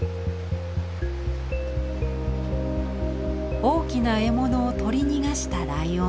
大きな獲物を取り逃がしたライオン。